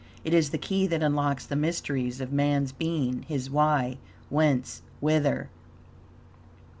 It is the key that unlocks the mysteries of man's being; his why, whence, whither.